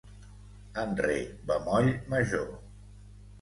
En re bemoll major.